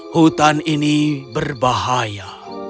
hutan ini berbahaya